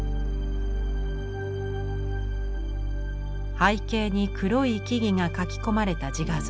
背景に黒い木々が描き込まれた自画像。